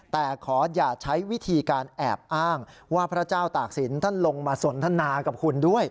แต่ขออย่าใช้วิธีการแอบอ้างว่าพระเจ้าตากศิลป์ท่านลงมาสนทนากับคุณด้วย